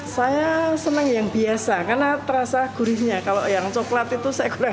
saya senang yang biasa karena terasa gurihnya kalau yang coklat itu saya kurang